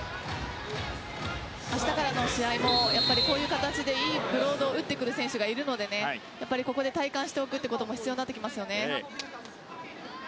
明日からの試合もこういう形でいいブロードを打ってくる選手がいるのでここで体感しておくということも必要になってきますね。